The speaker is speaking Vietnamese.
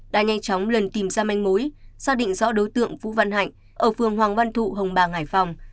đã nhanh chóng lần tìm ra manh mối xác định rõ đối tượng vũ văn hạnh ở phường hoàng văn thụ hồng bà hải phòng